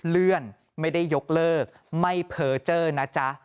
เลื่อนไม่ได้ยกเลิกไม่เพอร์เจอร์นะจ๊ะ